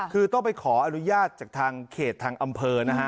คือต้องไปขออนุญาตจากทางเขตทางอำเภอนะฮะ